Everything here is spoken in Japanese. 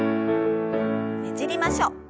ねじりましょう。